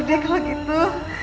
gede kalau gitu